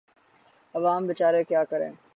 عوام بیچارے کیا کریں۔